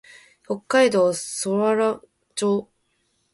北海道佐呂間町